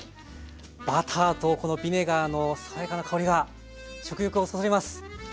バターとこのビネガーの爽やかな香りが食欲をそそります。